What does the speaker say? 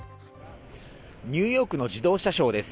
ニューヨークの自動車ショーです。